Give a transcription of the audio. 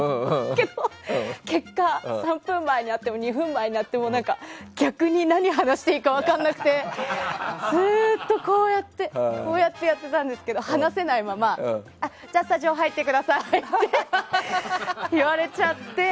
でも、結果３分前になっても２分前になっても逆に何を話していいか分からなくてずっとこうやってやってたんですけど話せないままじゃあ、スタジオ入ってくださいって言われちゃって。